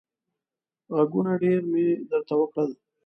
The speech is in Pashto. غږونه ډېر مې درته وکړل.